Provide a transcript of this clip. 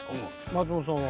松本さんは？